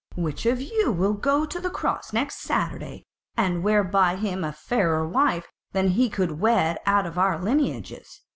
Which of you will go to the Cross next Saturday and there buy him a fairer wife than he can wed out of our lineages?